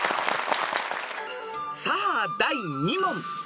［さあ第２問］